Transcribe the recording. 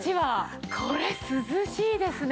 これ涼しいですね。